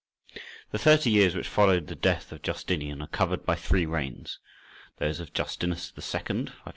The thirty years which followed the death of Justinian are covered by three reigns, those of Justinus II.